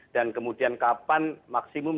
dan kemudian kapan maksimum